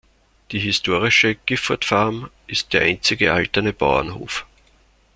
Die historische Gifford Farm ist der einzige erhaltene Bauernhof.